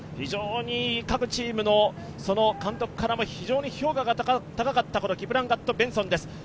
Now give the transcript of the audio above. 各チームの監督からも非常に評価が高かったキプランガット・ベンソンです。